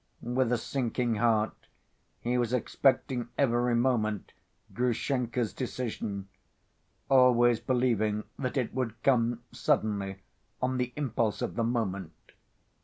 With a sinking heart he was expecting every moment Grushenka's decision, always believing that it would come suddenly, on the impulse of the moment.